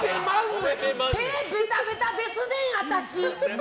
手ベタベタですねん、私！